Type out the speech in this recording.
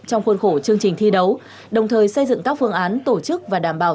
trong khuôn khổ chương trình thi đấu đồng thời xây dựng các phương án tổ chức và đảm bảo